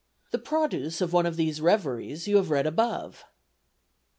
The produce of one of these reveries you have read above.